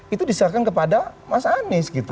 itu disiarkan kepada mas anies gitu